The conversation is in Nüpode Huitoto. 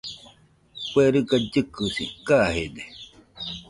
Kue riga llɨkɨsi kajede.